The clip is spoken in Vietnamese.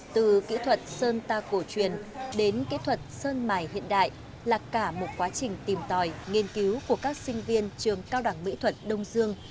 từ kỹ thuật sơn ta cổ truyền đến kỹ thuật sơn mài hiện đại là cả một quá trình tìm tòi nghiên cứu của các sinh viên trường cao đẳng mỹ thuật đông dương